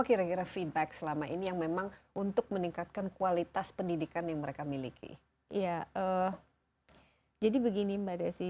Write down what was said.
iya jadi begini mbak desi